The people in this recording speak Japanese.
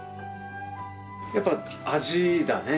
やっぱ味だね。